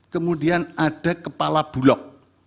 kemudian ada kepala bulog